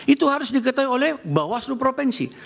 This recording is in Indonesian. itu harus diketahui oleh bawaslu provinsi